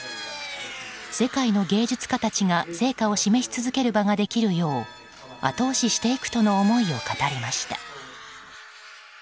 世界の芸術家たちが成果を示し続ける場ができるよう後押ししていくとの思いを語りました。